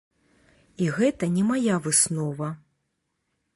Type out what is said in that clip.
І гэта не мая выснова.